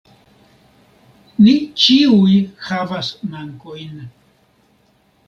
Ni ĉiuj havas mankojn.